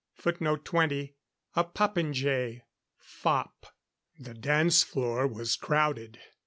[Footnote 20: A popinjay fop.] The dance floor was crowded.